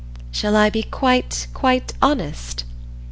"Shall I be quite, quite honest?"